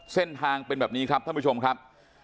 เส้นทางเป็นแบบนี้ครับท่านผู้ชมครับ